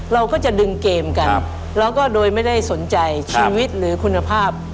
เราก็จะดึงเกมกันแล้วก็โดยไม่ได้สนใจชีวิตหรือคุณภาพ